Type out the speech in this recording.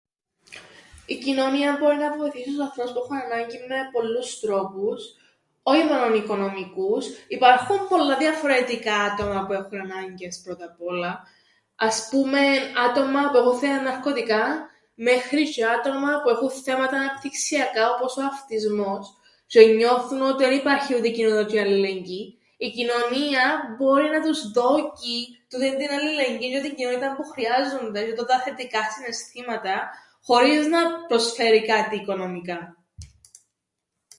Η κοινωνία μπορεί να βοηθήσει τους ανθρώπους που έχουν ανάγκην με πολλούς τρόπους όι μόνον οικονομικο΄ύς, υπάρχουν πολλά διαφορετικά άτομα που έχουν ανάγκες πρώτα απ' όλα, ας πούμεν άτομα που έχουν θέμα με ναρκωτικά μέχρι τζ̆αι άτομα που έχουν θέματα αναπτυξιακά όπως ο αυτισμός τζ̆αι νιώθουν ότι εν υπάρχει το΄υτη η κοινότητα τζ̆αι αλληλεγγύη, η κοινωνία μπορεί να τους δώκει τούτην την αλληλεγγύην τζ̆αι την κοινότηταν που χρειάζουνται τζ̆αι τούτα τα θετικά συναισθήματα χωρίς να προσφέρει κάτι οικονομικά.